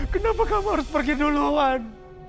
kenapa kamu harus pergi duluan